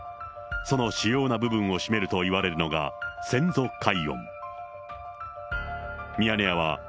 その主要な部分を占めるといわれるのが先祖解怨。